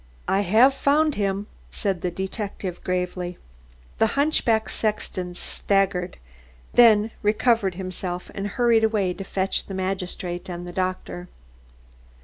"I have found him," said the detective gravely. The hunchback sexton staggered, then recovered himself, and hurried away to fetch the magistrate and the doctor.